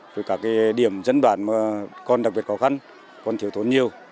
với các điểm dân bản mà còn đặc biệt khó khăn còn thiếu thốn nhiều